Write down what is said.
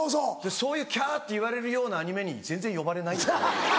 そういうキャって言われるようなアニメに全然呼ばれないっていう。